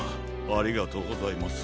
ありがとうございます。